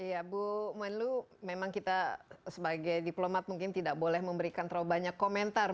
iya bu muilu memang kita sebagai diplomat mungkin tidak boleh memberikan terlalu banyak komentar